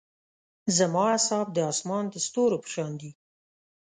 زما اصحاب د اسمان د ستورو پۀ شان دي.